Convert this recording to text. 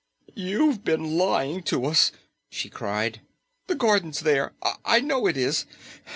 "You've been lying to us," she cried. "The garden's there. I know it is.